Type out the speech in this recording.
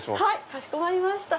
かしこまりました。